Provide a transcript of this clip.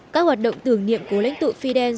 các hoạt động tưởng niệm cố lãnh tụ fidel